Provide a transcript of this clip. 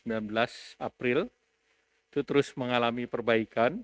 di tanggal enam april itu terus mengalami perbaikan